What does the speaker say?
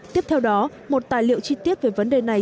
tiếp theo đó một tài liệu chi tiết về vấn đề này